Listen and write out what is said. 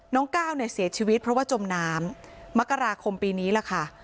ก้าวเนี่ยเสียชีวิตเพราะว่าจมน้ำมกราคมปีนี้ล่ะค่ะ